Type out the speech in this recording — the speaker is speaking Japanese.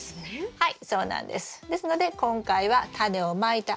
はい。